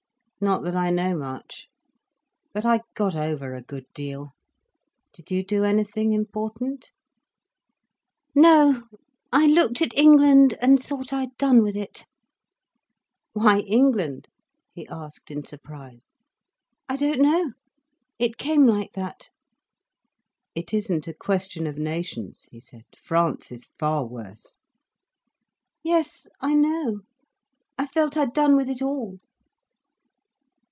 Not that I know much. But I got over a good deal. Did you do anything important?" "No. I looked at England, and thought I'd done with it." "Why England?" he asked in surprise. "I don't know, it came like that." "It isn't a question of nations," he said. "France is far worse." "Yes, I know. I felt I'd done with it all."